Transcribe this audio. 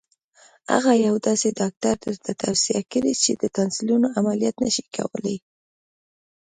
هغه یو داسې ډاکټر درته توصیه کړي چې د تانسیلونو عملیات نه شي کولای.